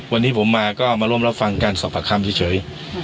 วันนี้ผมมาก็มาร่วมรับฟังการสอบประคำเฉย